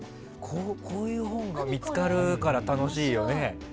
こういう本が見つかるから楽しいよね。